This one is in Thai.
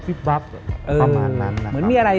ประมาณนั้นนะครับ